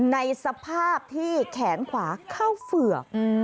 ในสภาพที่แขนขวาเข้าเฝือก